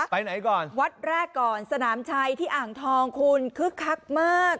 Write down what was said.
ไปไหนก่อนวัดแรกก่อนสนามชัยที่อ่างทองคุณคึกคักมาก